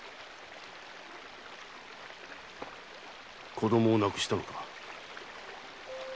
子供を亡くしたのか？